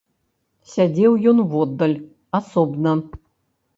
Сядзеў ён воддаль, асобна.